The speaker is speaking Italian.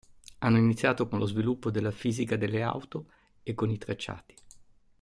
Hanno iniziato con lo sviluppo della fisica delle auto e con i tracciati.